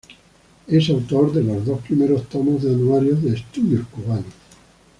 Es autor de los dos primeros tomos del Anuario de Estudios Cubanos.